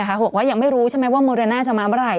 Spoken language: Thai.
บอกว่ายังไม่รู้ใช่ไหมว่าโมเรน่าจะมาเมื่อไห